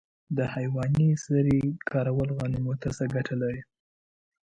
د حیواني سرې کارول غنمو ته څه ګټه لري؟